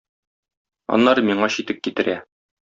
Аннары миңа читек китерә.